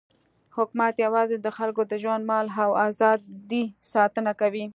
حکومت یوازې د خلکو د ژوند، مال او ازادۍ ساتنه کوي.